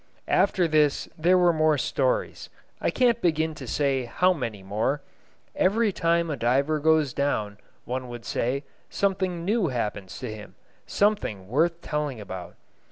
After this there were more stories. I can't begin to say how many more. Every time a diver goes down, one would say, something new happens to him, something worth telling about.